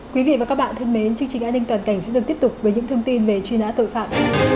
quý vị và các bạn thân mến chương trình an ninh toàn cảnh sẽ được tiếp tục với những thông tin về truy nã tội phạm